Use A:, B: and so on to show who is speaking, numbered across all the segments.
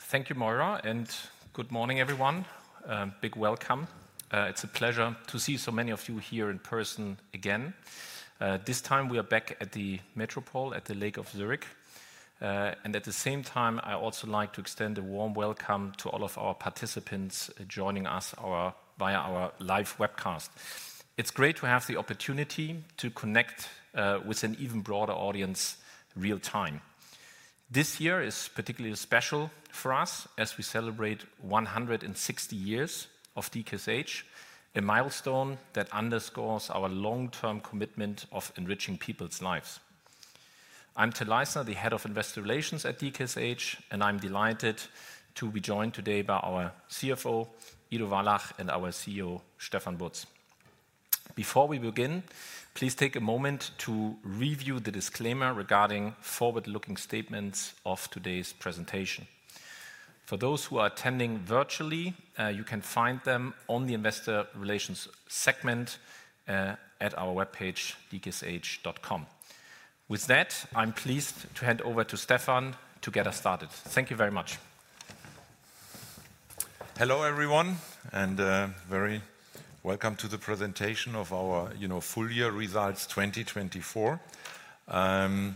A: Thank you, Maura, and good morning, everyone. Big welcome. It's a pleasure to see so many of you here in person again. This time we are back at the Metropol, at the Lake of Zurich. And at the same time, I also like to extend a warm welcome to all of our participants joining us via our live webcast. It's great to have the opportunity to connect with an even broader audience real time. This year is particularly special for us as we celebrate 160 years of DKSH, a milestone that underscores our long-term commitment of enriching people's lives. I'm Till Leisner, the Head of Investor Relations at DKSH, and I'm delighted to be joined today by our CFO, Ido Wallach, and our CEO, Stefan Butz. Before we begin, please take a moment to review the disclaimer regarding forward-looking statements of today's presentation. For those who are attending virtually, you can find them on the Investor Relations segment at our webpage, DKSH.com. With that, I'm pleased to hand over to Stefan to get us started. Thank you very much.
B: Hello, everyone, and very welcome to the presentation of our full year results 2024. I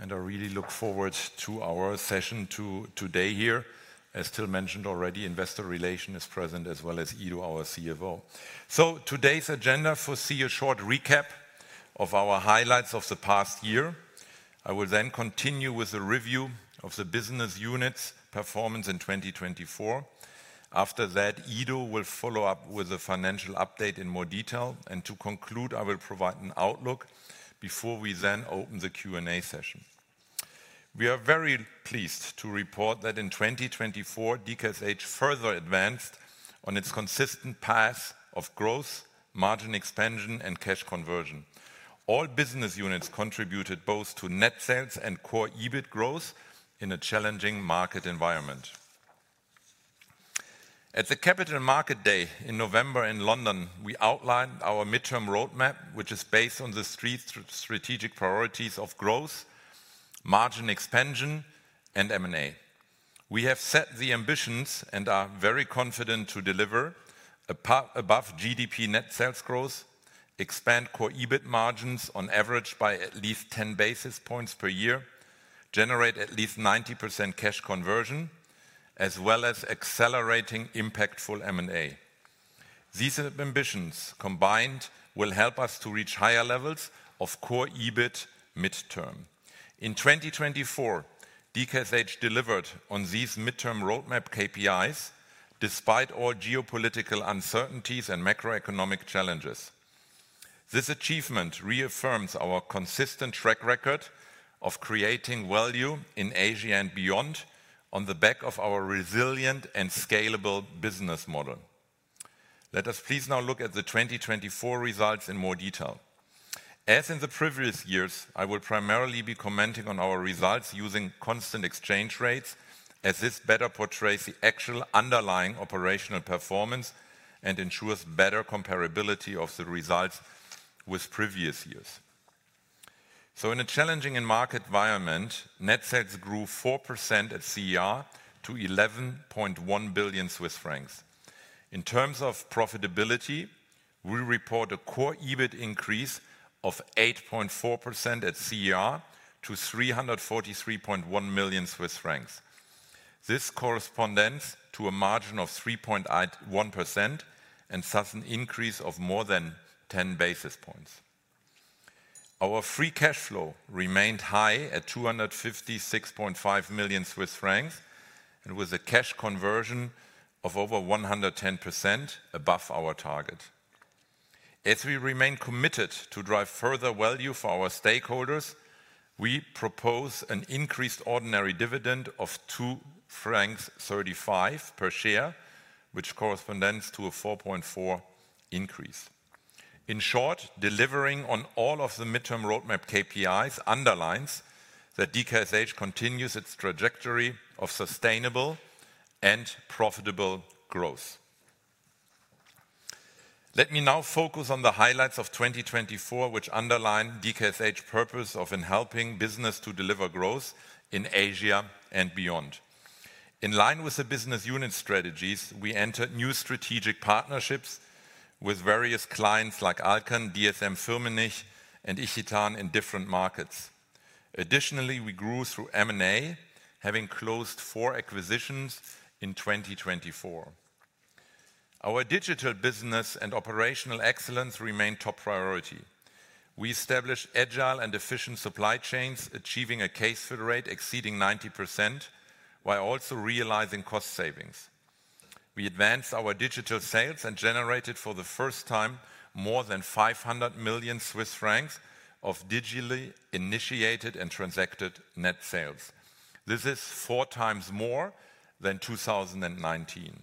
B: really look forward to our session today here. As Till mentioned already, Investor Relations is present, as well as Ido, our CFO. Today's agenda foresees a short recap of our highlights of the past year. I will then continue with a review of the business unit's performance in 2024. After that, Ido will follow up with a financial update in more detail. To conclude, I will provide an outlook before we then open the Q&A session. We are very pleased to report that in 2024, DKSH further advanced on its consistent path of growth, margin expansion, and cash conversion. All business units contributed both to net sales and core EBIT growth in a challenging market environment. At the Capital Market Day in November in London, we outlined our midterm roadmap, which is based on the three strategic priorities of growth, margin expansion, and M&A. We have set the ambitions and are very confident to deliver above GDP net sales growth, expand core EBIT margins on average by at least 10 basis points per year, generate at least 90% cash conversion, as well as accelerating impactful M&A. These ambitions combined will help us to reach higher levels of core EBIT midterm. In 2024, DKSH delivered on these midterm roadmap KPIs despite all geopolitical uncertainties and macroeconomic challenges. This achievement reaffirms our consistent track record of creating value in Asia and beyond on the back of our resilient and scalable business model. Let us please now look at the 2024 results in more detail. As in the previous years, I will primarily be commenting on our results using constant exchange rates, as this better portrays the actual underlying operational performance and ensures better comparability of the results with previous years. So in a challenging market environment, net sales grew 4% at CER to 11.1 billion Swiss francs. In terms of profitability, we report a core EBIT increase of 8.4% at CER to 343.1 million Swiss francs. This corresponds to a margin of 3.1% and such an increase of more than 10 basis points. Our free cash flow remained high at 256.5 million Swiss francs and with a cash conversion of over 110% above our target. As we remain committed to drive further value for our stakeholders, we propose an increased ordinary dividend of 2.35 francs per share, which corresponds to a 4.4% increase. In short, delivering on all of the midterm roadmap KPIs underlines that DKSH continues its trajectory of sustainable and profitable growth. Let me now focus on the highlights of 2024, which underline DKSH's purpose of helping business to deliver growth in Asia and beyond. In line with the business unit strategies, we entered new strategic partnerships with various clients like Alcon, DSM, Firmenich, and Ichitan in different markets. Additionally, we grew through M&A, having closed four acquisitions in 2024. Our digital business and operational excellence remain top priority. We established agile and efficient supply chains, achieving a case fill rate exceeding 90% while also realizing cost savings. We advanced our digital sales and generated for the first time more than 500 million Swiss francs of digitally initiated and transacted net sales. This is four times more than 2019.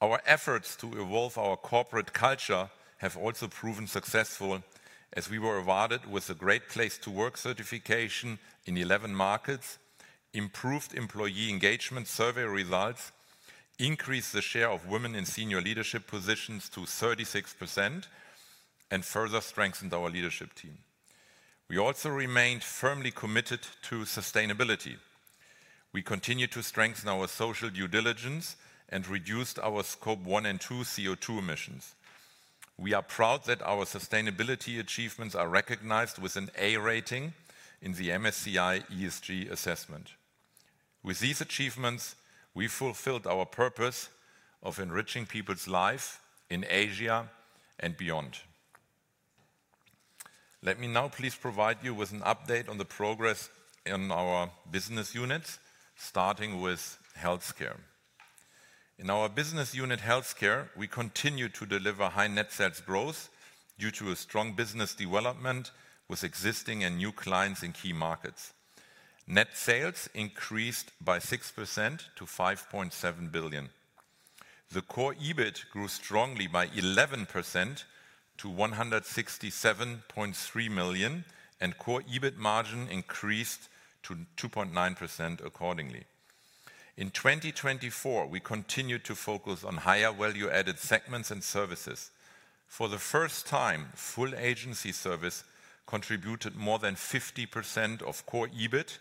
B: Our efforts to evolve our corporate culture have also proven successful, as we were awarded with a Great Place to Work certification in 11 markets, improved employee engagement survey results, increased the share of women in senior leadership positions to 36%, and further strengthened our leadership team. We also remained firmly committed to sustainability. We continue to strengthen our social due diligence and reduced our Scope one and two CO2 emissions. We are proud that our sustainability achievements are recognized with an A rating in the MSCI ESG assessment. With these achievements, we fulfilled our purpose of enriching people's lives in Asia and beyond. Let me now please provide you with an update on the progress in our business units, starting with Healthcare. In our business unit Healthcare, we continue to deliver high net sales growth due to a strong business development with existing and new clients in key markets. Net sales increased by 6% to 5.7 billion. The core EBIT grew strongly by 11% to 167.3 million, and core EBIT margin increased to 2.9% accordingly. In 2024, we continue to focus on higher value-added segments and services. For the first time, Full Agency service contributed more than 50% of core EBIT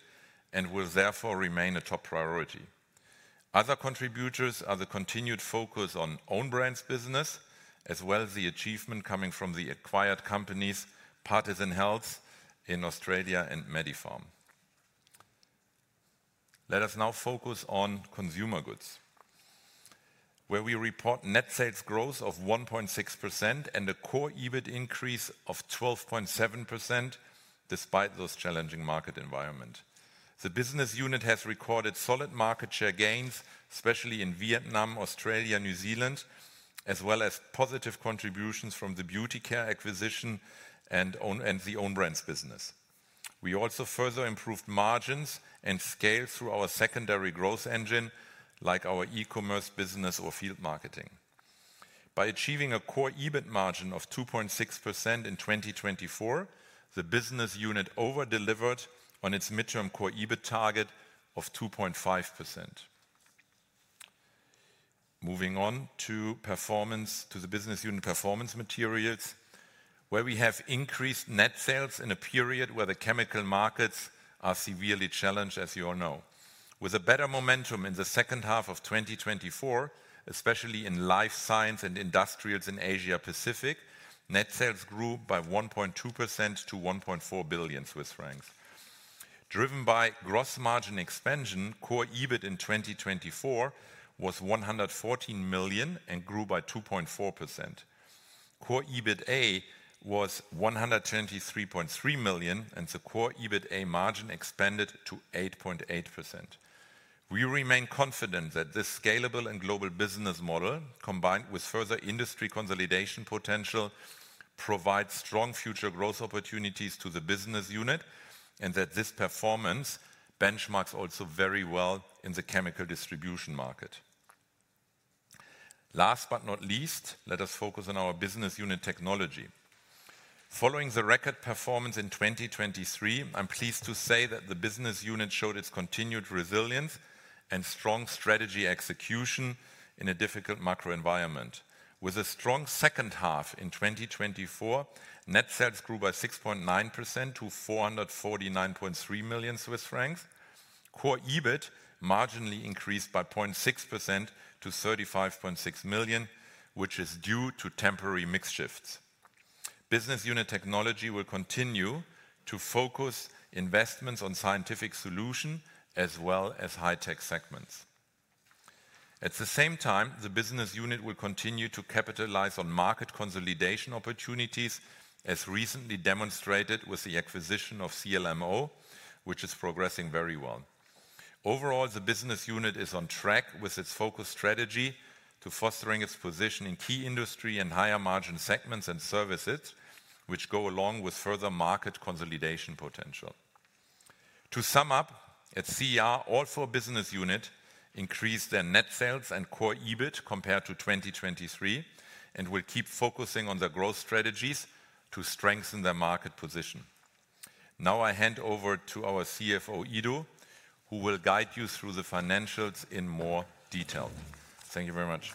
B: and will therefore remain a top priority. Other contributors are the continued focus on own brands business, as well as the achievement coming from the acquired companies, Partisan Health in Australia and MediFarm. Let us now focus on Consumer Goods, where we report net sales growth of 1.6% and a core EBIT increase of 12.7% despite those challenging market environments. The business unit has recorded solid market share gains, especially in Vietnam, Australia, New Zealand, as well as positive contributions from the beauty care acquisition and the own brands business. We also further improved margins and scale through our secondary growth engine, like our e-commerce business or field marketing. By achieving a core EBIT margin of 2.6% in 2024, the business unit over-delivered on its midterm core EBIT target of 2.5%. Moving on to Performance Materials, the business unit where we have increased net sales in a period where the chemical markets are severely challenged, as you all know. With a better momentum in the second half of 2024, especially in life science and industrials in Asia-Pacific, net sales grew by 1.2% to 1.4 billion Swiss francs. Driven by gross margin expansion, core EBIT in 2024 was 114 million CHF and grew by 2.4%. Core EBITDA was 123.3 million CHF, and the core EBITDA margin expanded to 8.8%. We remain confident that this scalable and global business model, combined with further industry consolidation potential, provides strong future growth opportunities to the business unit and that this performance benchmarks also very well in the chemical distribution market. Last but not least, let us focus on our business unit technology. Following the record performance in 2023, I'm pleased to say that the business unit showed its continued resilience and strong strategy execution in a difficult macro environment. With a strong second half in 2024, net sales grew by 6.9% to 449.3 million Swiss francs. Core EBIT marginally increased by 0.6% to 35.6 million, which is due to temporary mix shifts. Business unit technology will continue to focus investments on scientific solutions as well as high-tech segments. At the same time, the business unit will continue to capitalize on market consolidation opportunities, as recently demonstrated with the acquisition of CLMO, which is progressing very well. Overall, the business unit is on track with its focus strategy to fostering its position in key industry and higher margin segments and services, which go along with further market consolidation potential. To sum up, at CER, all four business units increased their net sales and core EBIT compared to 2023 and will keep focusing on their growth strategies to strengthen their market position. Now I hand over to our CFO, Ido, who will guide you through the financials in more detail. Thank you very much.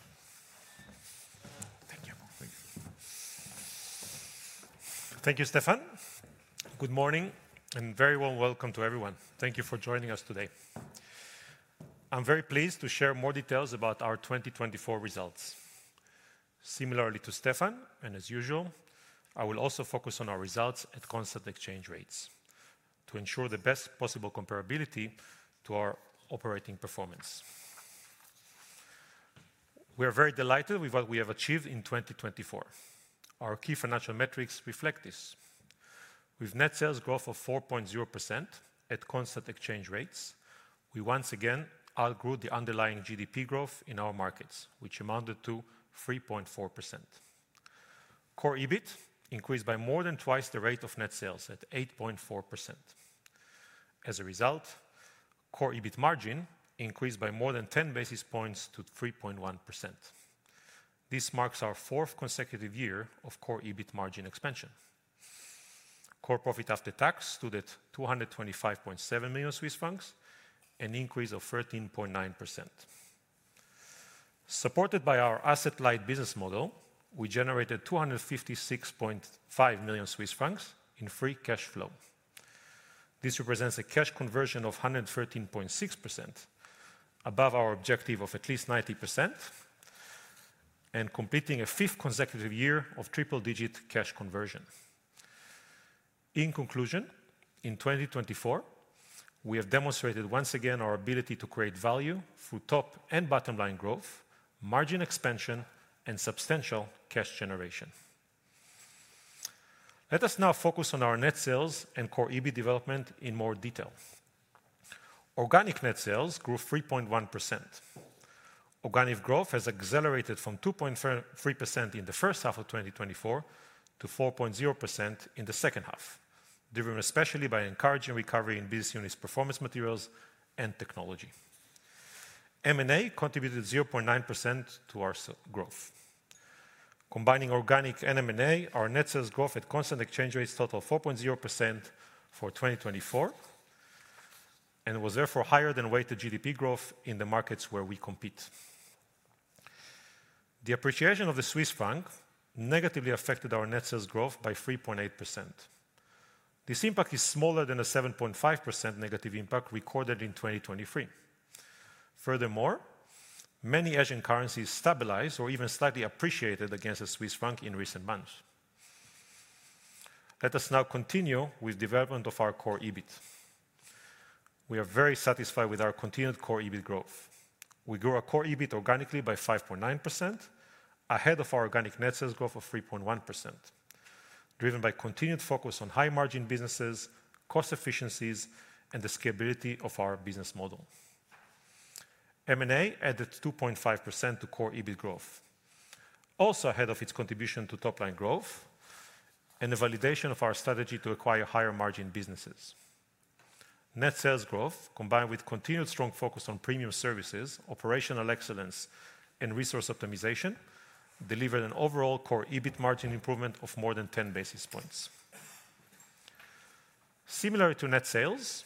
C: Thank you. Thank you, Stefan. Good morning and very warm welcome to everyone. Thank you for joining us today. I'm very pleased to share more details about our 2024 results. Similarly to Stefan, and as usual, I will also focus on our results at constant exchange rates to ensure the best possible comparability to our operating performance. We are very delighted with what we have achieved in 2024. Our key financial metrics reflect this. With net sales growth of 4.0% at constant exchange rates, we once again outgrew the underlying GDP growth in our markets, which amounted to 3.4%. Core EBIT increased by more than twice the rate of net sales at 8.4%. As a result, core EBIT margin increased by more than 10 basis points to 3.1%. This marks our fourth consecutive year of core EBIT margin expansion. Core profit after tax stood at 225.7 million Swiss francs, an increase of 13.9%. Supported by our asset-light business model, we generated 256.5 million Swiss francs in free cash flow. This represents a cash conversion of 113.6%, above our objective of at least 90%, and completing a fifth consecutive year of triple-digit cash conversion. In conclusion, in 2024, we have demonstrated once again our ability to create value through top and bottom line growth, margin expansion, and substantial cash generation. Let us now focus on our net sales and core EBIT development in more detail. Organic net sales grew 3.1%. Organic growth has accelerated from 2.3% in the first half of 2024 to 4.0% in the second half, driven especially by encouraging recovery in business units Performance Materials and technology. M&A contributed 0.9% to our growth. Combining organic and M&A, our net sales growth at constant exchange rates total 4.0% for 2024 and was therefore higher than weighted GDP growth in the markets where we compete. The appreciation of the Swiss franc negatively affected our net sales growth by 3.8%. This impact is smaller than the 7.5% negative impact recorded in 2023. Furthermore, many Asian currencies stabilized or even slightly appreciated against the Swiss franc in recent months. Let us now continue with the development of our core EBIT. We are very satisfied with our continued core EBIT growth. We grew our core EBIT organically by 5.9%, ahead of our organic net sales growth of 3.1%, driven by continued focus on high-margin businesses, cost efficiencies, and the scalability of our business model. M&A added 2.5% to Core EBIT growth, also ahead of its contribution to top-line growth and the validation of our strategy to acquire higher-margin businesses. Net sales growth, combined with continued strong focus on premium services, operational excellence, and resource optimization, delivered an overall Core EBIT margin improvement of more than 10 basis points. Similarly to net sales,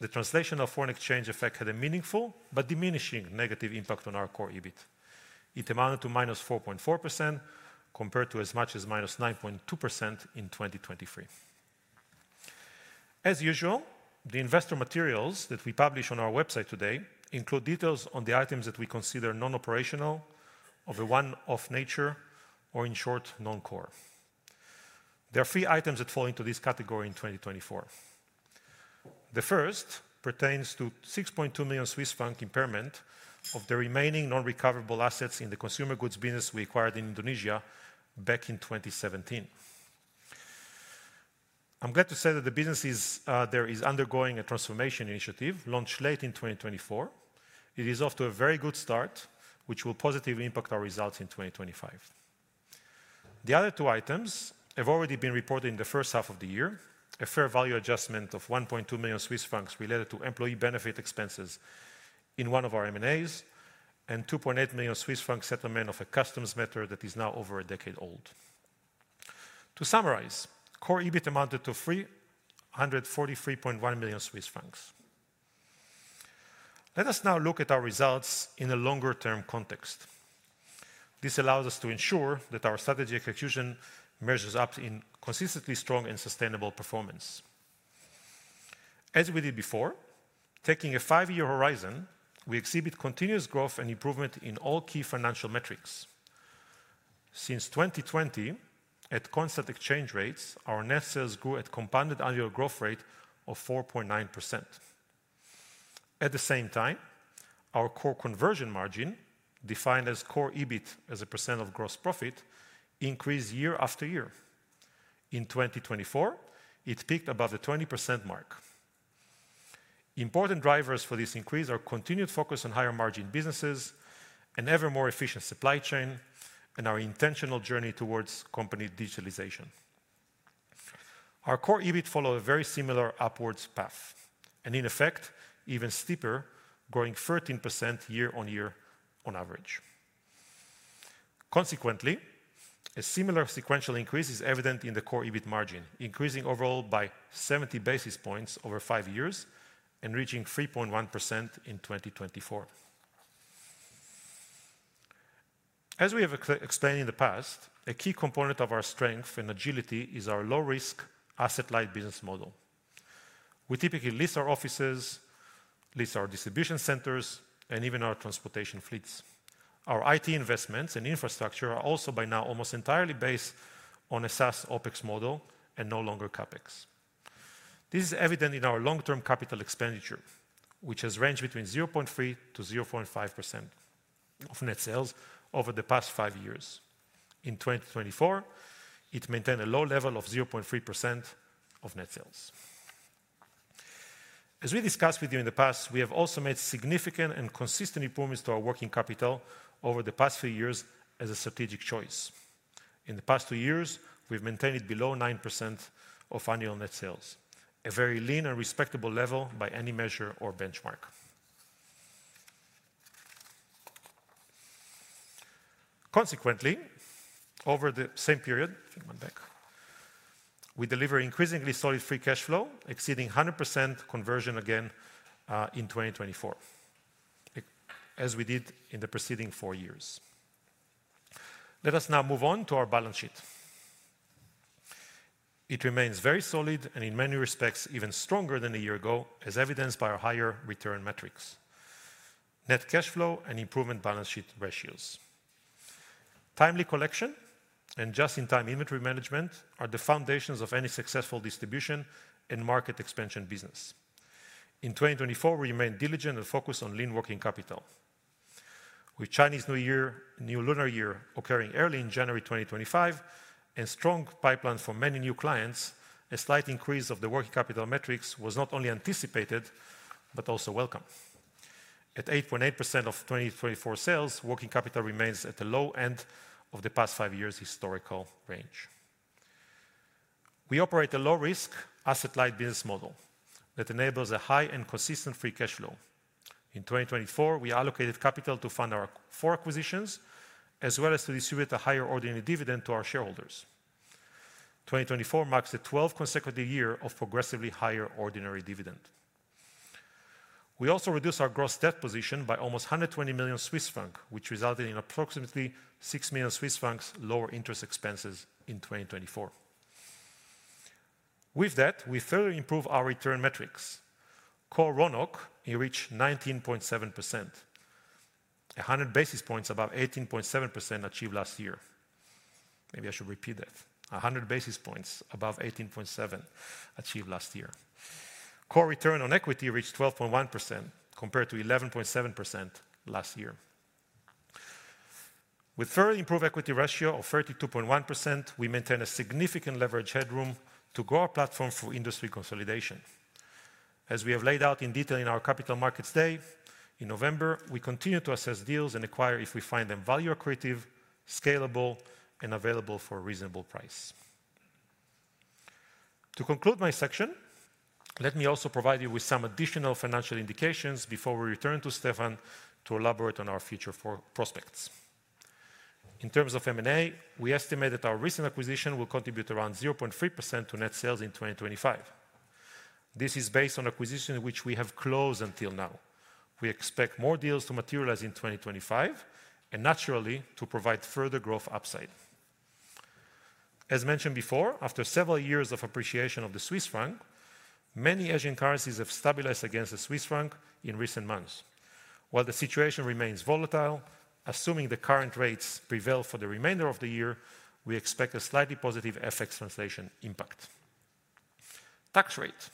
C: the translation of foreign exchange effect had a meaningful but diminishing negative impact on our Core EBIT. It amounted to minus 4.4% compared to as much as minus 9.2% in 2023. As usual, the investor materials that we publish on our website today include details on the items that we consider non-operational, of a one-off nature, or in short, non-core. There are three items that fall into this category in 2024. The first pertains to 6.2 million Swiss franc impairment of the remaining non-recoverable assets in the Consumer Goods business we acquired in Indonesia back in 2017. I'm glad to say that the business there is undergoing a transformation initiative launched late in 2024. It is off to a very good start, which will positively impact our results in 2025. The other two items have already been reported in the first half of the year: a fair value adjustment of 1.2 million Swiss francs related to employee benefit expenses in one of our M&As and 2.8 million Swiss franc settlement of a customs matter that is now over a decade old. To summarize, Core EBIT amounted to 343.1 million Swiss francs. Let us now look at our results in a longer-term context. This allows us to ensure that our strategy execution measures up in consistently strong and sustainable performance. As we did before, taking a five-year horizon, we exhibit continuous growth and improvement in all key financial metrics. Since 2020, at constant exchange rates, our net sales grew at compounded annual growth rate of 4.9%. At the same time, our core conversion margin, defined as core EBIT as a % of gross profit, increased year after year. In 2024, it peaked above the 20% mark. Important drivers for this increase are continued focus on higher-margin businesses, an ever-more efficient supply chain, and our intentional journey towards company digitalization. Our core EBIT followed a very similar upwards path and, in effect, even steeper, growing 13% year-on-year on average. Consequently, a similar sequential increase is evident in the core EBIT margin, increasing overall by 70 basis points over five years and reaching 3.1% in 2024. As we have explained in the past, a key component of our strength and agility is our low-risk asset-light business model. We typically lease our offices, lease our distribution centers, and even our transportation fleets. Our IT investments and infrastructure are also by now almost entirely based on a SaaS OpEx model and no longer CapEx. This is evident in our long-term capital expenditure, which has ranged between 0.3%-0.5% of net sales over the past five years. In 2024, it maintained a low level of 0.3% of net sales. As we discussed with you in the past, we have also made significant and consistent improvements to our working capital over the past few years as a strategic choice. In the past two years, we've maintained it below 9% of annual net sales, a very lean and respectable level by any measure or benchmark. Consequently, over the same period, we deliver increasingly solid free cash flow, exceeding 100% conversion again in 2024, as we did in the preceding four years. Let us now move on to our balance sheet. It remains very solid and, in many respects, even stronger than a year ago, as evidenced by our higher return metrics: net cash flow and improved balance sheet ratios. Timely collection and just-in-time inventory management are the foundations of any successful distribution and market expansion business. In 2024, we remained diligent and focused on lean working capital. With Chinese New Year and New Lunar Year occurring early in January 2025 and strong pipelines for many new clients, a slight increase of the working capital metrics was not only anticipated but also welcomed. At 8.8% of 2024 sales, working capital remains at the low end of the past five years' historical range. We operate a low-risk asset-light business model that enables a high and consistent free cash flow. In 2024, we allocated capital to fund our four acquisitions as well as to distribute a higher ordinary dividend to our shareholders. 2024 marks the 12th consecutive year of progressively higher ordinary dividend. We also reduced our gross debt position by almost 120 million Swiss francs, which resulted in approximately 6 million Swiss francs lower interest expenses in 2024. With that, we further improved our return metrics. Core RONOC reached 19.7%, 100 basis points above 18.7% achieved last year. Maybe I should repeat that: 100 basis points above 18.7% achieved last year. Core return on equity reached 12.1% compared to 11.7% last year. With further improved equity ratio of 32.1%, we maintain a significant leverage headroom to grow our platform for industry consolidation. As we have laid out in detail in our Capital Markets Day in November, we continue to assess deals and acquire if we find them value accretive, scalable, and available for a reasonable price. To conclude my section, let me also provide you with some additional financial indications before we return to Stefan to elaborate on our future prospects. In terms of M&A, we estimate that our recent acquisition will contribute around 0.3% to net sales in 2025. This is based on acquisitions which we have closed until now. We expect more deals to materialize in 2025 and, naturally, to provide further growth upside. As mentioned before, after several years of appreciation of the Swiss franc, many Asian currencies have stabilized against the Swiss franc in recent months. While the situation remains volatile, assuming the current rates prevail for the remainder of the year, we expect a slightly positive FX translation impact. Tax rate: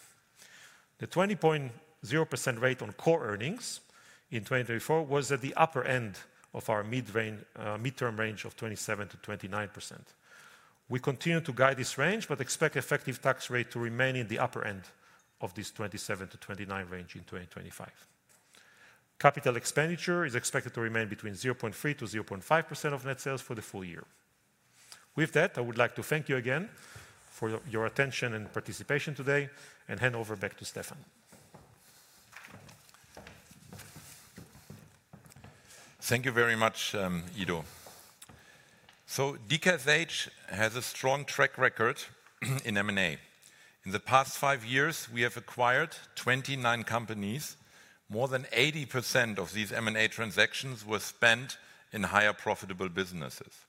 C: the 20.0% rate on core earnings in 2024 was at the upper end of our mid-term range of 27%-29%. We continue to guide this range but expect effective tax rate to remain in the upper end of this 27%-29% range in 2025. Capital expenditure is expected to remain between 0.3%-0.5% of net sales for the full year. With that, I would like to thank you again for your attention and participation today and hand over back to Stefan.
B: Thank you very much, Ido. DKSH has a strong track record in M&A. In the past five years, we have acquired 29 companies. More than 80% of these M&A transactions were spent in higher profitable businesses.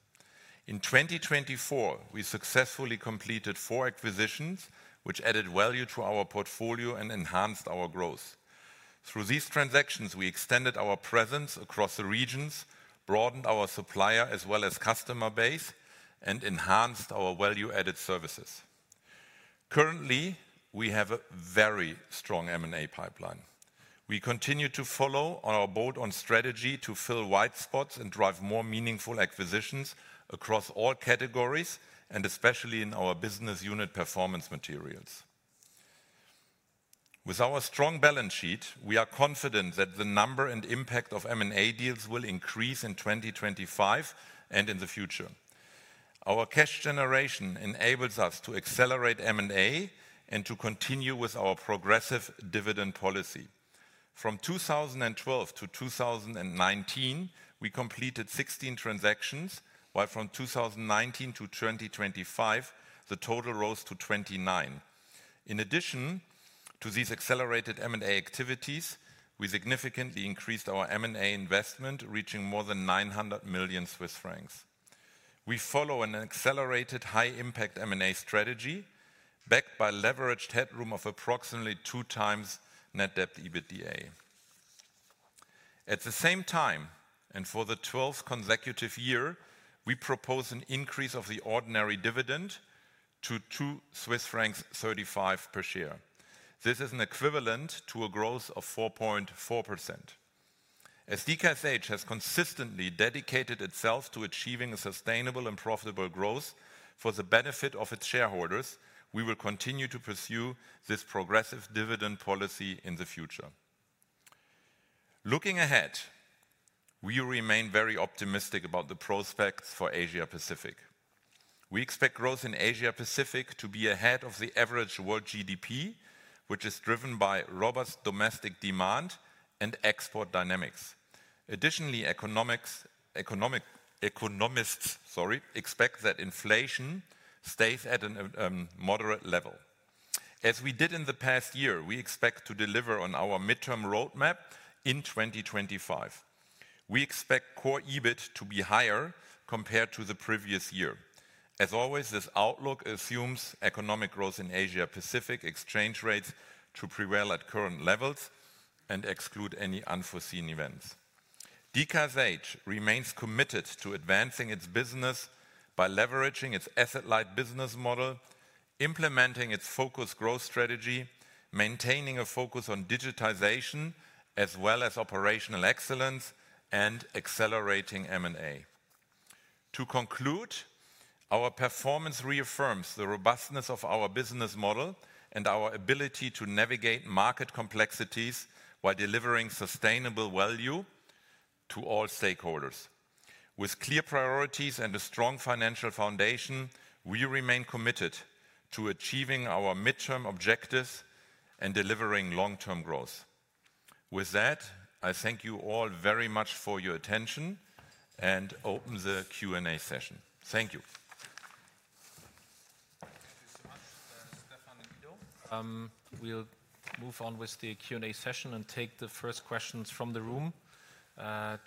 B: In 2024, we successfully completed four acquisitions, which added value to our portfolio and enhanced our growth. Through these transactions, we extended our presence across the regions, broadened our supplier as well as customer base, and enhanced our value-added services. Currently, we have a very strong M&A pipeline. We continue to follow our bolt-on strategy to fill white spots and drive more meaningful acquisitions across all categories, and especially in our business unit Performance Materials. With our strong balance sheet, we are confident that the number and impact of M&A deals will increase in 2025 and in the future. Our cash generation enables us to accelerate M&A and to continue with our progressive dividend policy. From 2012 to 2019, we completed 16 transactions, while from 2019 to 2025, the total rose to 29. In addition to these accelerated M&A activities, we significantly increased our M&A investment, reaching more than 900 million Swiss francs. We follow an accelerated high-impact M&A strategy backed by leverage headroom of approximately two times net debt to EBITDA. At the same time, and for the 12th consecutive year, we propose an increase of the ordinary dividend to 2.35 Swiss francs per share. This is an equivalent to a growth of 4.4%. As DKSH has consistently dedicated itself to achieving a sustainable and profitable growth for the benefit of its shareholders, we will continue to pursue this progressive dividend policy in the future. Looking ahead, we remain very optimistic about the prospects for Asia-Pacific. We expect growth in Asia-Pacific to be ahead of the average world GDP, which is driven by robust domestic demand and export dynamics. Additionally, economists expect that inflation stays at a moderate level. As we did in the past year, we expect to deliver on our mid-term roadmap in 2025. We expect core EBIT to be higher compared to the previous year. As always, this outlook assumes economic growth in Asia-Pacific, exchange rates to prevail at current levels and exclude any unforeseen events. DKSH remains committed to advancing its business by leveraging its asset-light business model, implementing its focused growth strategy, maintaining a focus on digitization as well as operational excellence, and accelerating M&A. To conclude, our performance reaffirms the robustness of our business model and our ability to navigate market complexities while delivering sustainable value to all stakeholders. With clear priorities and a strong financial foundation, we remain committed to achieving our midterm objectives and delivering long-term growth. With that, I thank you all very much for your attention and open the Q&A session. Thank you.
A: Thank you so much, Stefan and Ido. We'll move on with the Q&A session and take the first questions from the room.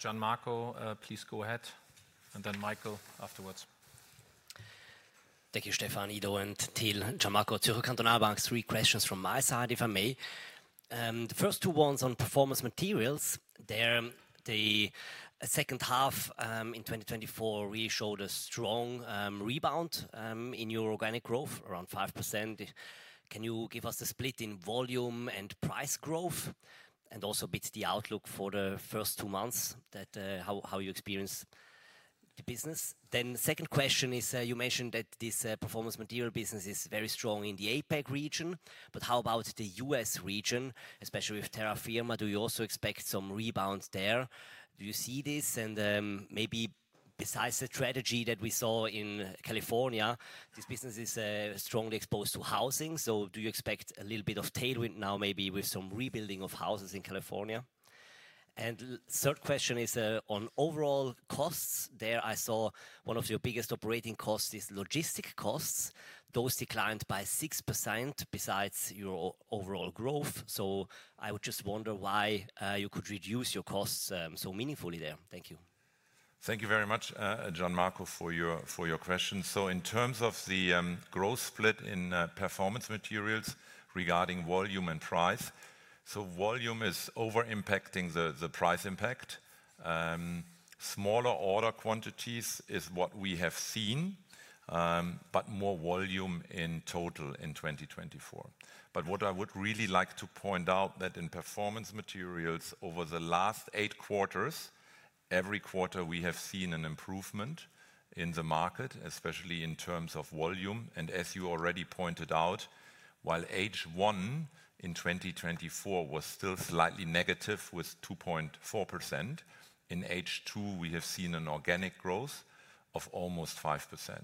A: Gian Marco, please go ahead, and then Michael afterwards.
D: Thank you, Stefan, Ido, and Till. Gian Marco, Zürcher Kantonalbank, three questions from my side, if I may. The first two ones on Performance Materials, the second half in 2024 really showed a strong rebound in your organic growth, around 5%. Can you give us the split in volume and price growth and also a bit the outlook for the first two months that how you experience the business? Then the second question is, you mentioned that this performance material business is very strong in the APAC region, but how about the US region, especially with Terra Firma? Do you also expect some rebound there? Do you see this? Maybe besides the strategy that we saw in California, this business is strongly exposed to housing. Do you expect a little bit of tailwind now, maybe with some rebuilding of houses in California? The third question is on overall costs. There I saw one of your biggest operating costs is logistic costs. Those declined by 6% besides your overall growth. I would just wonder why you could reduce your costs so meaningfully there. Thank you.
B: Thank you very much, Gian Marco, for your question. In terms of the growth split in Performance Materials regarding volume and price, volume is over-impacting the price impact. Smaller order quantities is what we have seen, but more volume in total in 2024. But what I would really like to point out is that in Performance Materials, over the last eight quarters, every quarter we have seen an improvement in the market, especially in terms of volume. And as you already pointed out, while H1 in 2024 was still slightly negative with 2.4%, in H2 we have seen an organic growth of almost 5%.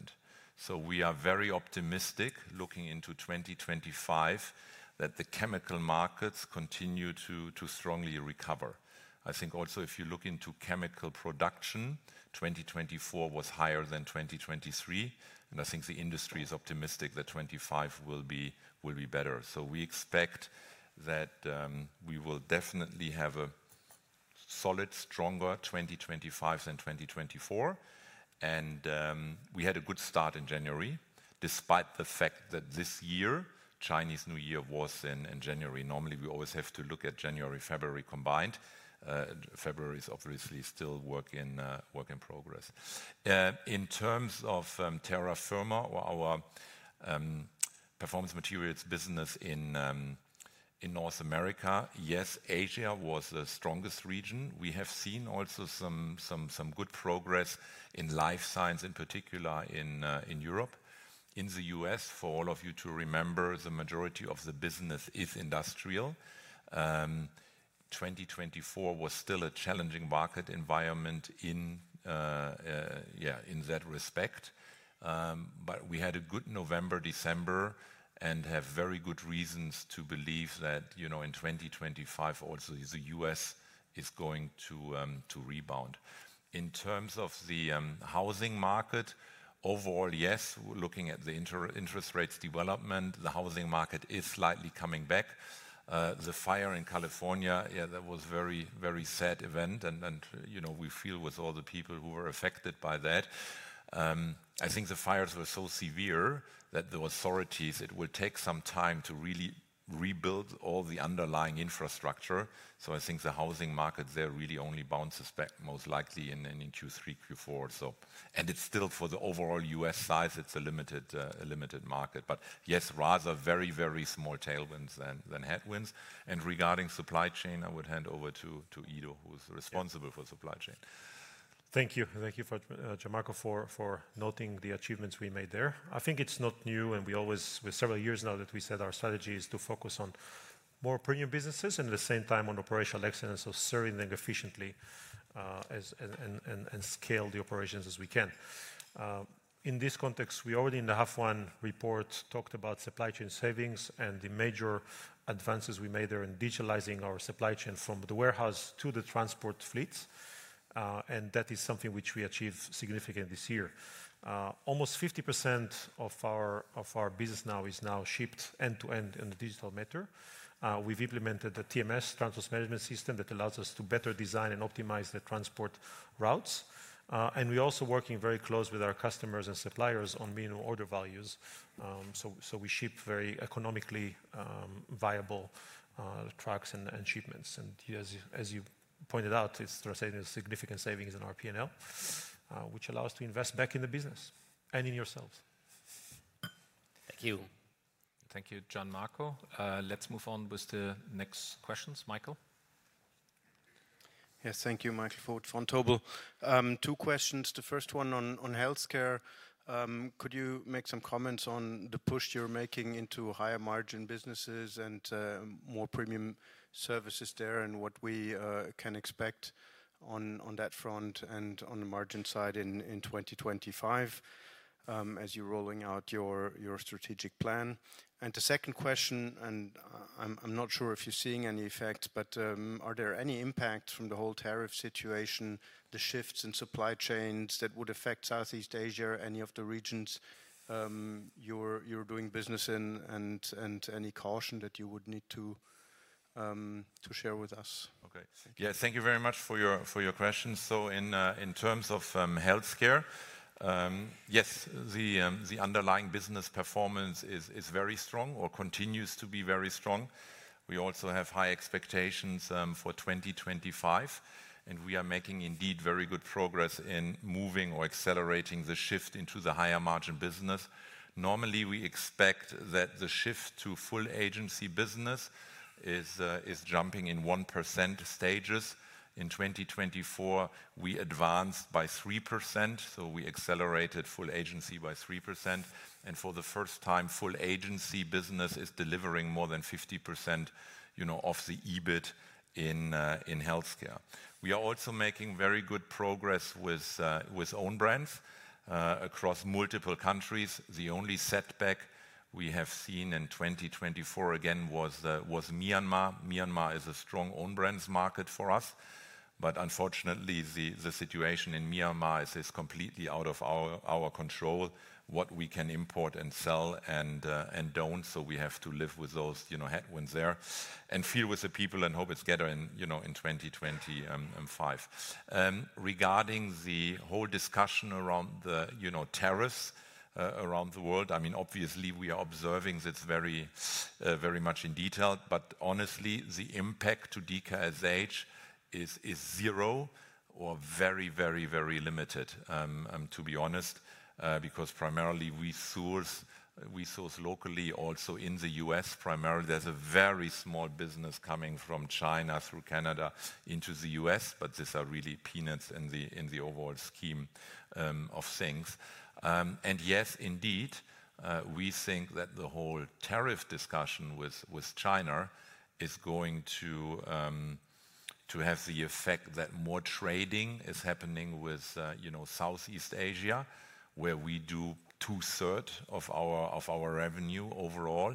B: So we are very optimistic looking into 2025 that the chemical markets continue to strongly recover. I think also if you look into chemical production, 2024 was higher than 2023, and I think the industry is optimistic that 2025 will be better. So we expect that we will definitely have a solid, stronger 2025 than 2024. And we had a good start in January, despite the fact that this year, Chinese New Year was in January. Normally, we always have to look at January-February combined. February is obviously still work in progress. In terms of Terra Firma, our Performance Materials business in North America, yes, Asia was the strongest region. We have seen also some good progress in Life Science, in particular in Europe. In the U.S., for all of you to remember, the majority of the business is industrial. 2024 was still a challenging market environment in that respect, but we had a good November-December and have very good reasons to believe that in 2025 also the U.S. is going to rebound. In terms of the housing market, overall, yes, looking at the interest rates development, the housing market is slightly coming back. The fire in California, yeah, that was a very sad event, and we feel with all the people who were affected by that. I think the fires were so severe that the authorities, it will take some time to really rebuild all the underlying infrastructure. So I think the housing market there really only bounces back most likely in Q3, Q4. And it's still for the overall U.S. size, it's a limited market. But yes, rather very, very small tailwinds than headwinds. And regarding supply chain, I would hand over to Ido, who is responsible for supply chain.
C: Thank you. Thank you, Gian Marco, for noting the achievements we made there. I think it's not new, and we always, with several years now that we said our strategy is to focus on more premium businesses and at the same time on operational excellence, so serving them efficiently and scale the operations as we can. In this context, we already in the half-year report talked about supply chain savings and the major advances we made there in digitalizing our supply chain from the warehouse to the transport fleets. And that is something which we achieved significantly this year. Almost 50% of our business now is shipped end-to-end in the digital manner. We've implemented the TMS, Transport Management System, that allows us to better design and optimize the transport routes. And we're also working very close with our customers and suppliers on minimum order values. So we ship very economically viable trucks and shipments. And as you pointed out, it's resulted in significant savings in our P&L, which allows us to invest back in the business and in yourselves.
D: Thank you.
A: Thank you, Gian Marco. Let's move on with the next questions, Michael.
E: Yes, thank you, Michael Foeth Vontobel. Two questions. The first one on Healthcare. Could you make some comments on the push you're making into higher margin businesses and more premium services there and what we can expect on that front and on the margin side in 2025 as you're rolling out your strategic plan? And the second question, and I'm not sure if you're seeing any effects, but are there any impacts from the whole tariff situation, the shifts in supply chains that would affect Southeast Asia, any of the regions you're doing business in, and any caution that you would need to share with us?
B: Okay. Yeah, thank you very much for your questions. So in terms of Healthcare, yes, the underlying business performance is very strong or continues to be very strong. We also have high expectations for 2025, and we are making indeed very good progress in moving or accelerating the shift into the higher margin business. Normally, we expect that the shift to Full Agency business is jumping in 1% stages. In 2024, we advanced by 3%, so we accelerated Full Agency by 3%. And for the first time, Full Agency business is delivering more than 50% of the EBIT in Healthcare. We are also making very good progress with own brands across multiple countries. The only setback we have seen in 2024 again was Myanmar. Myanmar is a strong own brands market for us, but unfortunately, the situation in Myanmar is completely out of our control, what we can import and sell and don't. So we have to live with those headwinds there and feel with the people and hope it's better in 2025. Regarding the whole discussion around the tariffs around the world, I mean, obviously, we are observing this very much in detail, but honestly, the impact to DKSH is zero or very, very, very limited, to be honest, because primarily we source locally, also in the U.S., primarily there's a very small business coming from China through Canada into the U.S., but these are really peanuts in the overall scheme of things. And yes, indeed, we think that the whole tariff discussion with China is going to have the effect that more trading is happening with Southeast Asia, where we do two-thirds of our revenue overall,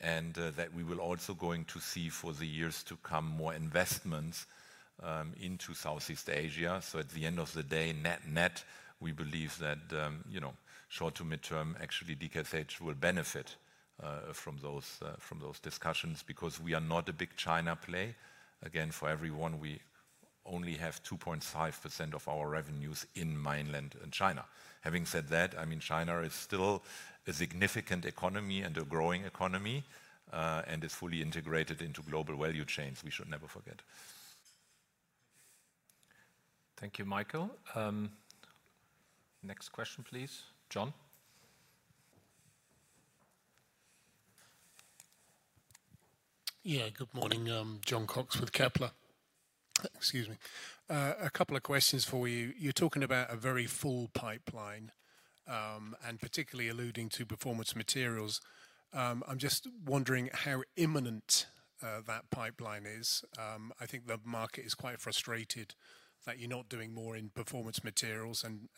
B: and that we will also going to see for the years to come more investments into Southeast Asia. So at the end of the day, net net, we believe that short to midterm, actually, DKSH will benefit from those discussions because we are not a big China play. Again, for everyone, we only have 2.5% of our revenues in mainland China. Having said that, I mean, China is still a significant economy and a growing economy and is fully integrated into global value chains. We should never forget.
A: Thank you, Michael. Next question, please. Jon.
F: Yeah, good morning. Jon Cox with Kepler. Excuse me. A couple of questions for you. You're talking about a very full pipeline and particularly alluding to Performance Materials. I'm just wondering how imminent that pipeline is. I think the market is quite frustrated that you're not doing more in Performance Materials and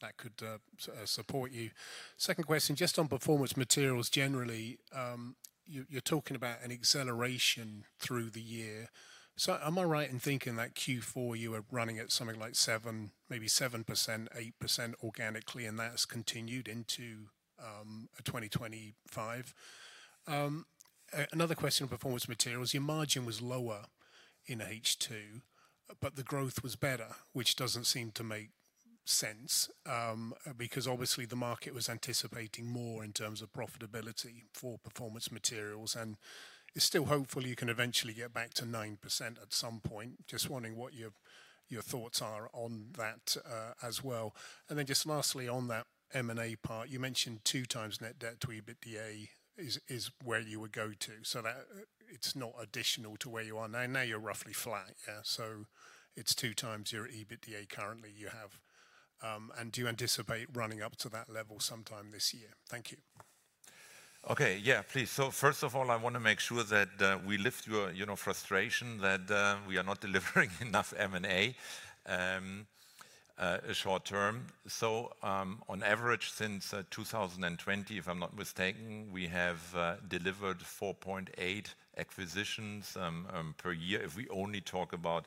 F: that could support you. Second question, just on Performance Materials generally, you're talking about an acceleration through the year. So am I right in thinking that Q4 you were running at something like 7%, maybe 7%, 8% organically, and that's continued into 2025? Another question on Performance Materials. Your margin was lower in H2, but the growth was better, which doesn't seem to make sense because obviously the market was anticipating more in terms of profitability for Performance Materials. And it's still hopeful you can eventually get back to 9% at some point. Just wondering what your thoughts are on that as well. And then just lastly on that M&A part, you mentioned two times Net Debt to EBITDA is where you would go to, so that it's not additional to where you are now. Now you're roughly flat, yeah? So it's two times your EBITDA currently you have. And do you anticipate running up to that level sometime this year? Thank you.
B: Okay, yeah, please. So, first of all, I want to make sure that we lift your frustration that we are not delivering enough M&A short term. So, on average, since 2020, if I'm not mistaken, we have delivered 4.8 acquisitions per year. If we only talk about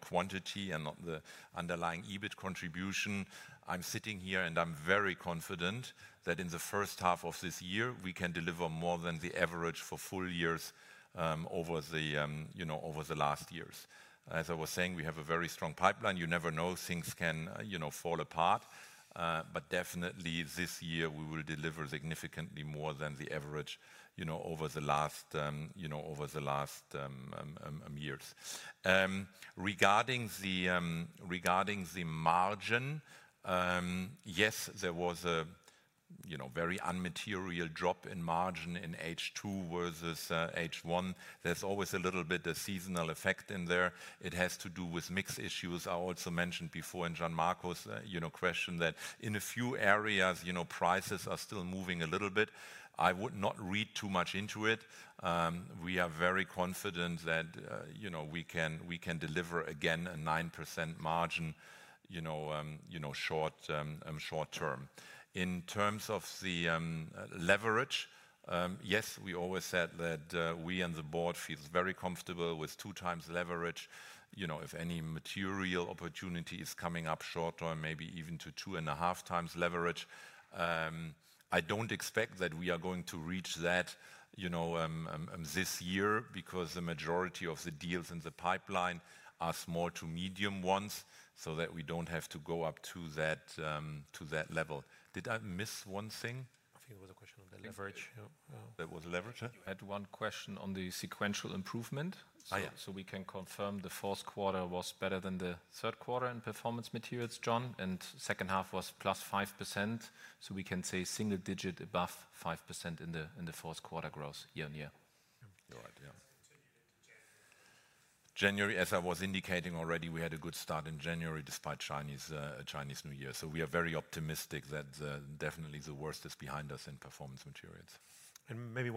B: quantity and not the underlying EBIT contribution, I'm sitting here and I'm very confident that in the first half of this year, we can deliver more than the average for full years over the last years. As I was saying, we have a very strong pipeline. You never know, things can fall apart, but definitely this year we will deliver significantly more than the average over the last years. Regarding the margin, yes, there was a very immaterial drop in margin in H2 versus H1. There's always a little bit of seasonal effect in there. It has to do with mix issues. I also mentioned before in Gian Marco's question that in a few areas, prices are still moving a little bit. I would not read too much into it. We are very confident that we can deliver again a 9% margin short term. In terms of the leverage, yes, we always said that we and the board feel very comfortable with two times leverage. If any material opportunity is coming up short term, maybe even to two and a half times leverage. I don't expect that we are going to reach that this year because the majority of the deals in the pipeline are small to medium ones so that we don't have to go up to that level. Did I miss one thing?
G: I think there was a question on the leverage.
B: That was leverage?
A: I had one question on the sequential improvement. So we can confirm the Q4 was better than the Q3 in Performance Materials, Jon, and second half was plus 5%. So we can say single digit above 5% in the Q4 growth year on year.
B: January, as I was indicating already, we had a good start in January despite Chinese New Year. So we are very optimistic that definitely the worst is behind us in Performance Materials.
C: And maybe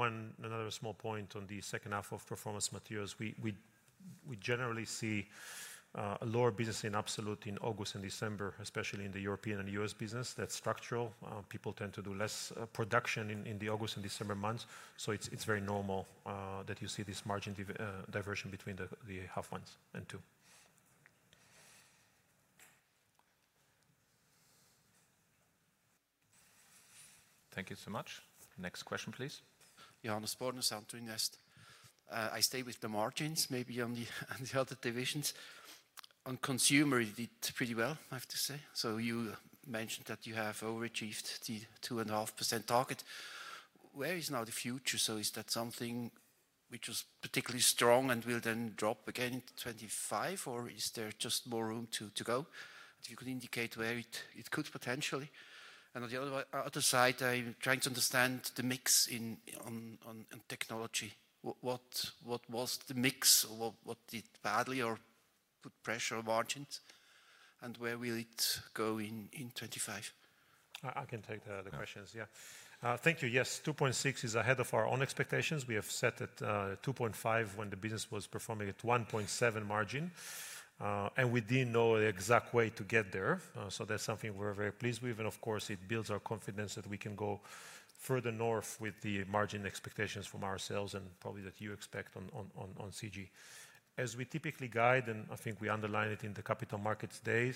C: another small point on the second half of Performance Materials. We generally see a lower business in absolute in August and December, especially in the European and U.S. business. That's structural. People tend to do less production in the August and December months. So it's very normal that you see this margin divergence between the first half and second.
A: Thank you so much. Next question, please.
G: Johannes Born, Santorini. I stay with the margins, maybe on the other divisions. On Consumer, you did pretty well, I have to say. So you mentioned that you have overachieved the 2.5% target. Where is now the future? So is that something which was particularly strong and will then drop again in 2025, or is there just more room to go? If you could indicate where it could potentially. And on the other side, I'm trying to understand the mix in technology. What was the mix or what did badly or put pressure on margins? And where will it go in 2025?
C: I can take the questions, yeah. Thank you. Yes, 2.6% is ahead of our own expectations. We have set at 2.5% when the business was performing at 1.7% margin. And we didn't know the exact way to get there. So that's something we're very pleased with. And of course, it builds our confidence that we can go further north with the margin expectations from ourselves and probably that you expect on CG. As we typically guide, and I think we underline it in the Capital Markets Day,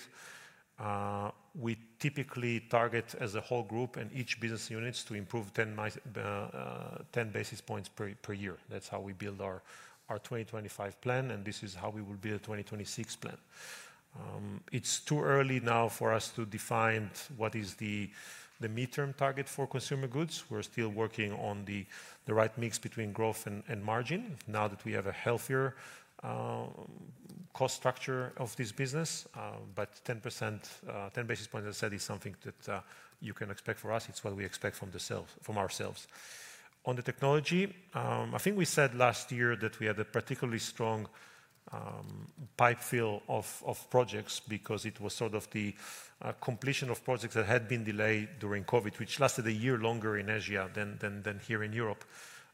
C: we typically target as a whole group and each business units to improve 10 basis points per year. That's how we build our 2025 plan, and this is how we will build a 2026 plan. It's too early now for us to define what is the midterm target for Consumer Goods. We're still working on the right mix between growth and margin now that we have a healthier cost structure of this business. But 10 basis points, as I said, is something that you can expect for us. It's what we expect from ourselves. On the technology, I think we said last year that we had a particularly strong pipeline fill of projects because it was sort of the completion of projects that had been delayed during COVID, which lasted a year longer in Asia than here in Europe.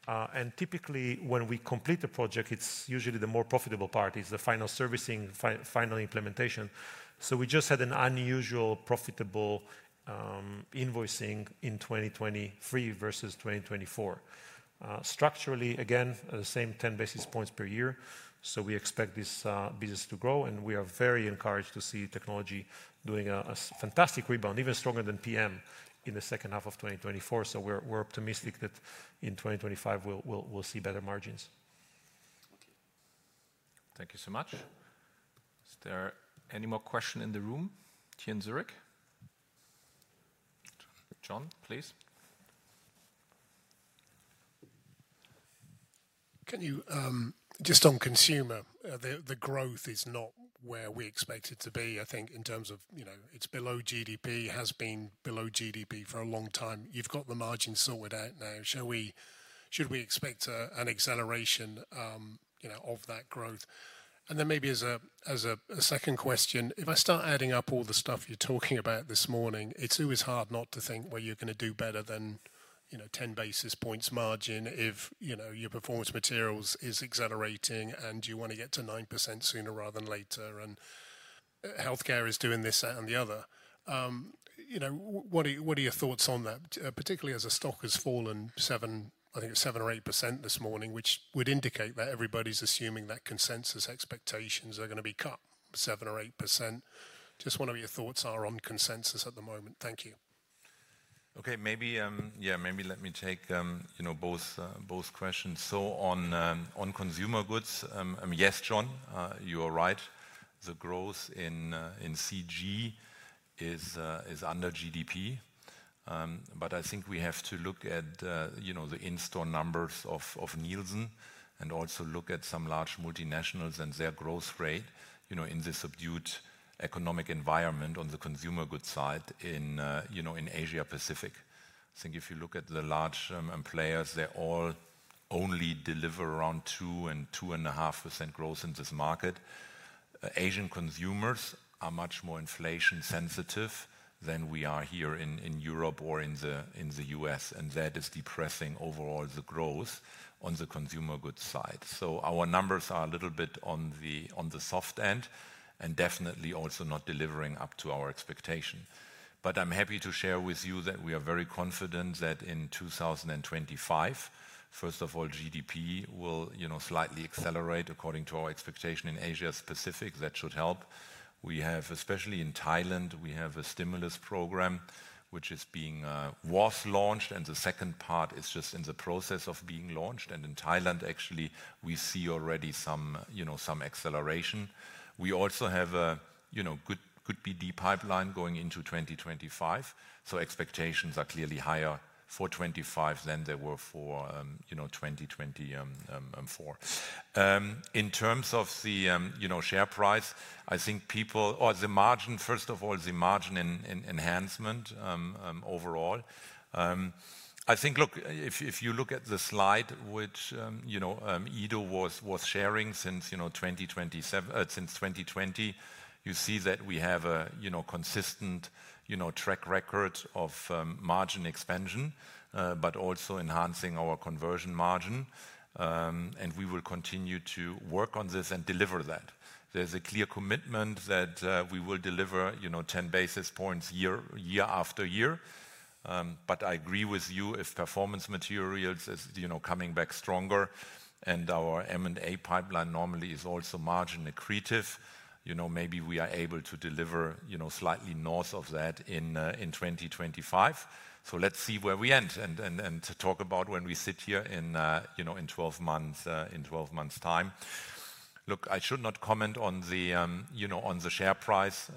C: And typically, when we complete a project, it's usually the more profitable part, is the final servicing, final implementation. So we just had an unusually profitable invoicing in 2023 versus 2024. Structurally, again, the same 10 basis points per year. So we expect this business to grow, and we are very encouraged to see technology doing a fantastic rebound, even stronger than PM in the second half of 2024. So we're optimistic that in 2025, we'll see better margins.
A: Thank you so much. Is there any more question in the room? Then, Zurich. Jon, please.
F: Just on Consumer, the growth is not where we expect it to be. I think in terms of it's below GDP, has been below GDP for a long time. You've got the margin sorted out now. Should we expect an acceleration of that growth? And then maybe as a second question, if I start adding up all the stuff you're talking about this morning, it's always hard not to think where you're going to do better than 10 basis points margin if your Performance Materials is accelerating and you want to get to 9% sooner rather than later. And Healthcare is doing this and the other. What are your thoughts on that? Particularly as the stock has fallen seven, I think it's seven or 8% this morning, which would indicate that everybody's assuming that consensus expectations are going to be cut 7% or 8%. Just want to know what your thoughts are on consensus at the moment. Thank you.
B: Okay, maybe, yeah, maybe let me take both questions. So on Consumer Goods, yes, John, you are right. The growth in CG is under GDP, but I think we have to look at the in-store numbers of Nielsen and also look at some large multinationals and their growth rate in this subdued economic environment on the Consumer Goods side in Asia-Pacific. I think if you look at the large players, they all only deliver around 2% and 2.5% growth in this market. Asian Consumer s are much more inflation-sensitive than we are here in Europe or in the U.S., and that is depressing overall the growth on the Consumer Goods side. So our numbers are a little bit on the soft end and definitely also not delivering up to our expectation. But I'm happy to share with you that we are very confident that in 2025, first of all, GDP will slightly accelerate according to our expectation in Asia-Pacific. That should help. We have, especially in Thailand, we have a stimulus program which is being launched, and the second part is just in the process of being launched. And in Thailand, actually, we see already some acceleration. We also have a good BD pipeline going into 2025. So expectations are clearly higher for 2025 than they were for 2024. In terms of the share price, I think people, or the margin, first of all, the margin enhancement overall. I think, look, if you look at the slide which Ido was sharing since 2027, since 2020, you see that we have a consistent track record of margin expansion, but also enhancing our conversion margin. And we will continue to work on this and deliver that. There's a clear commitment that we will deliver 10 basis points year after year. But I agree with you, if Performance Materials are coming back stronger and our M&A pipeline normally is also margin accretive, maybe we are able to deliver slightly north of that in 2025. So let's see where we end and talk about when we sit here in 12 months' time. Look, I should not comment on the share price.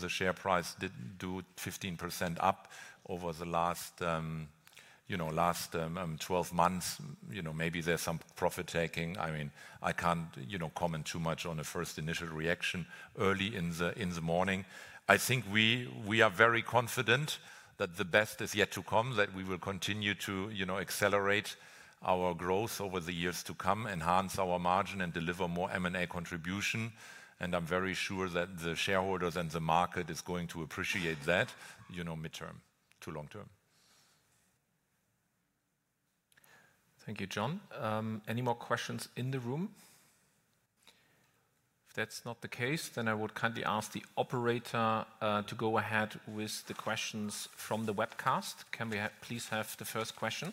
B: The share price did do 15% up over the last 12 months. Maybe there's some profit taking. I mean, I can't comment too much on the first initial reaction early in the morning. I think we are very confident that the best is yet to come, that we will continue to accelerate our growth over the years to come, enhance our margin, and deliver more M&A contribution. And I'm very sure that the shareholders and the market are going to appreciate that. Midterm, too, long term.
A: Thank you, Jon. Any more questions in the room? If that's not the case, then I would kindly ask the operator to go ahead with the questions from the webcast. Can we please have the first question?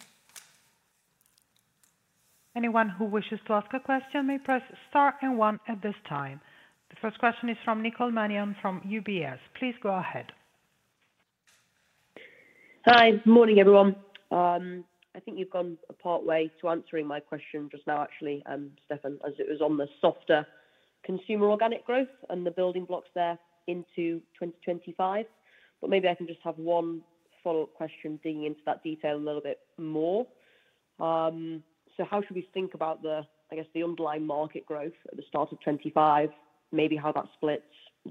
H: Anyone who wishes to ask a question may press star one at this time. The first question is from Nicole Manion from UBS. Please go ahead.
I: Hi, good morning, everyone. I think you've gone a part way to answering my question just now, actually, Stefan, as it was on the softer Consumer organic growth and the building blocks there into 2025. But maybe I can just have one follow-up question digging into that detail a little bit more. So how should we think about, I guess, the underlying market growth at the start of 2025, maybe how that splits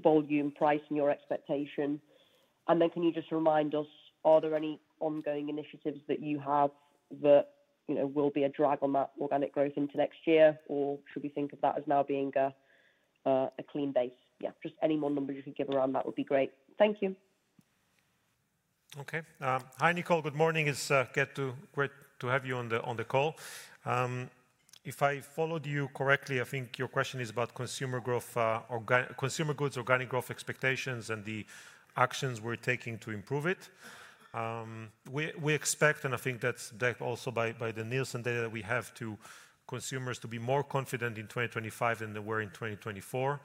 I: volume, price, and your expectation? And then can you just remind us, are there any ongoing initiatives that you have that will be a drag on that organic growth into next year, or should we think of that as now being a clean base? Yeah, just any more numbers you could give around that would be great. Thank you.
C: Okay. Hi, Nicole. Good morning. It's great to have you on the call. If I followed you correctly, I think your question is about Consumer growth, Consumer Goods, organic growth expectations, and the actions we're taking to improve it. We expect, and I think that's backed also by the Nielsen data that we have on Consumer s to be more confident in 2025 than they were in 2024.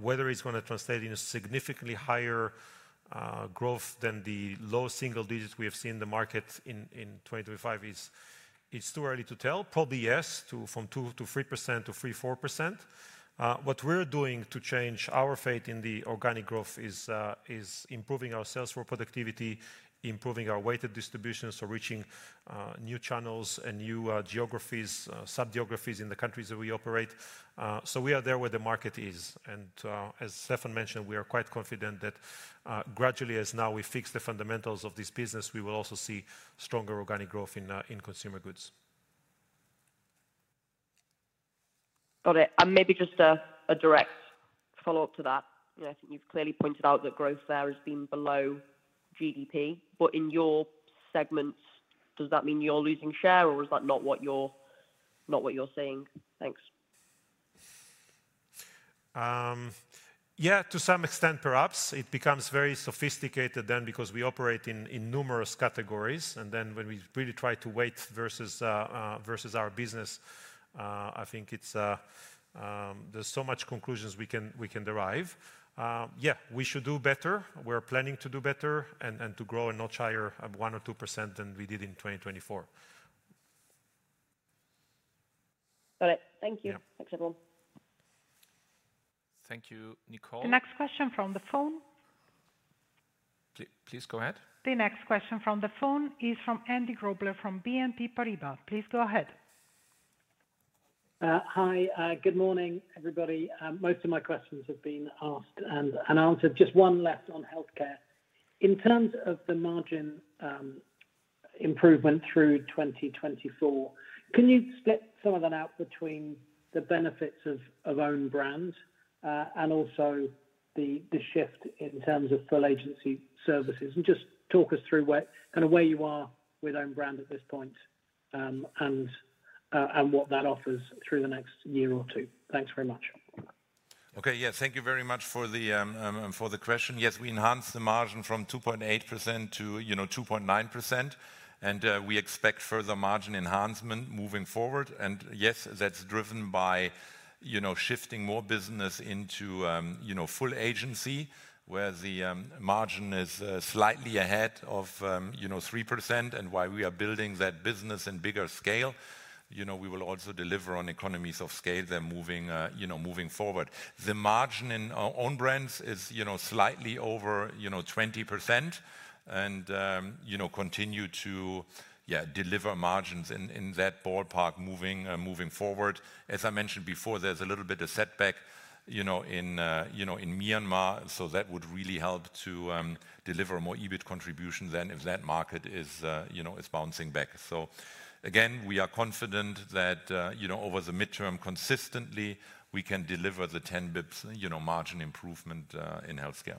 C: Whether it's going to translate into significantly higher growth than the low single digits we have seen in the market in 2024 is too early to tell. Probably yes, from 2%-3% to 3%-4%. What we're doing to change our rate in the organic growth is improving our sales force productivity, improving our weighted distribution, so reaching new channels and new geographies, sub-geographies in the countries that we operate, so we are there where the market is. As Stefan mentioned, we are quite confident that gradually as now we fix the fundamentals of this business, we will also see stronger organic growth in Consumer Goods.
I: Maybe just a direct follow-up to that. I think you've clearly pointed out that growth there has been below GDP. But in your segment, does that mean you're losing share, or is that not what you're seeing? Thanks.
C: Yeah, to some extent, perhaps. It becomes very sophisticated then because we operate in numerous categories. And then when we really try to weight versus our business, I think there's so much conclusions we can derive. Yeah, we should do better. We're planning to do better and to grow a notch higher, 1% or 2% than we did in 2024.
I: Got it. Thank you. Thanks, everyone.
A: Thank you, Nicole.
H: The next question from the phone.
A: Please go ahead.
H: The next question from the phone is from Andy Grobler from BNP Paribas. Please go ahead.
J: Hi, good morning, everybody. Most of my questions have been asked and answered. Just one left on Healthcare. In terms of the margin improvement through 2024, can you split some of that out between the benefits of Own Brands and also the shift in terms of Full Agency services? And just talk us through kind of where you are with Own Brand at this point and what that offers through the next year or two. Thanks very much.
B: Okay, yeah, thank you very much for the question. Yes, we enhanced the margin from 2.8% to 2.9%, and we expect further margin enhancement moving forward. Yes, that's driven by shifting more business into Full Agency, where the margin is slightly ahead of 3%, and while we are building that business in bigger scale, we will also deliver on economies of scale that are moving forward. The margin in Own Brands is slightly over 20% and continue to deliver margins in that ballpark moving forward. As I mentioned before, there's a little bit of setback in Myanmar, so that would really help to deliver more EBIT contributions then if that market is bouncing back. So again, we are confident that over the midterm, consistently, we can deliver the 10 basis points margin improvement in Healthcare.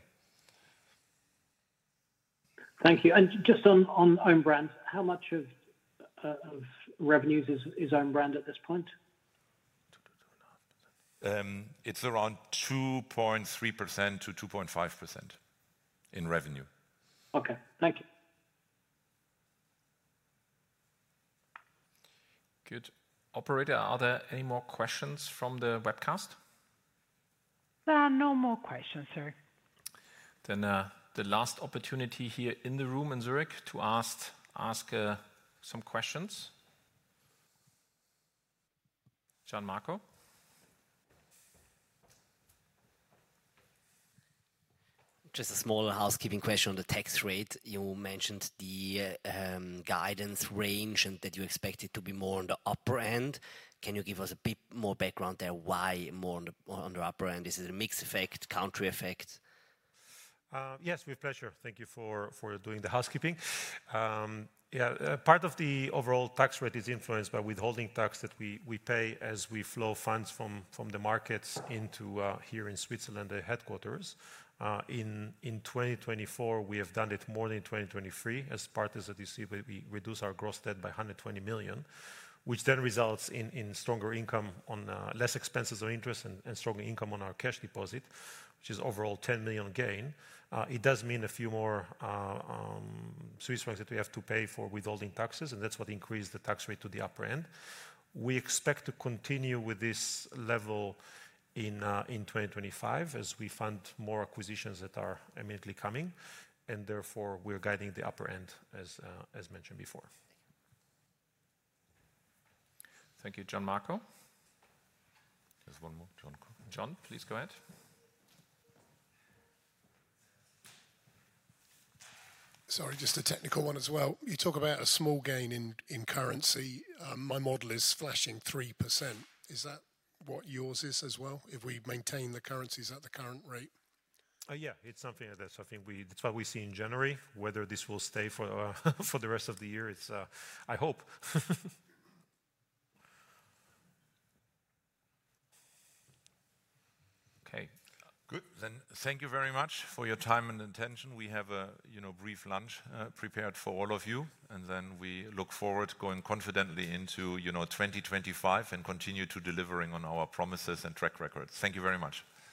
J: Thank you. And just on Own Brands, how much of revenues is Own Brands at this point?
B: It's around 2.3%-2.5% in revenue.
J: Okay, thank you.
A: Good. Operator, are there any more questions from the webcast? There are no more questions, sir.
C: Then the last opportunity here in the room in Zurich to ask some questions. Gian Marco.
D: Just a small housekeeping question on the tax rate. You mentioned the guidance range and that you expect it to be more on the upper end. Can you give us a bit more background there? Why more on the upper end? Is it a mixed effect, country effect?
C: Yes, with pleasure. Thank you for doing the housekeeping. Yeah, part of the overall tax rate is influenced by withholding tax that we pay as we flow funds from the markets into here in Switzerland, the headquarters. In 2024, we have done it more than in 2023. As partners at ECB, we reduce our gross debt by 120 million, which then results in stronger income on less expenses or interest and stronger income on our cash deposit, which is overall 10 million gain. It does mean a few more Swiss francs that we have to pay for withholding taxes, and that's what increased the tax rate to the upper end. We expect to continue with this level in 2025 as we fund more acquisitions that are immediately coming, and therefore, we're guiding the upper end, as mentioned before.
A: Thank you. Thank you, Gian Marco. There's one more. Jon, please go ahead.
F: Sorry, just a technical one as well. You talk about a small gain in currency. My model is flashing 3%. Is that what yours is as well, if we maintain the currencies at the current rate?
C: Yeah, it's something like that. So I think that's what we see in January, whether this will stay for the rest of the year, I hope.
B: Okay. Good. Then thank you very much for your time and attention. We have a brief lunch prepared for all of you, and then we look forward to going confidently into 2025 and continue to deliver on our promises and track records. Thank you very much.